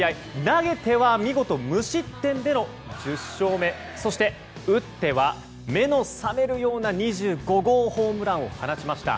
投げては見事、無失点での１０勝目そして打っては目の覚めるような２５号ホームランを放ちました。